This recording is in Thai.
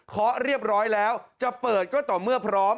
เรียบร้อยแล้วจะเปิดก็ต่อเมื่อพร้อม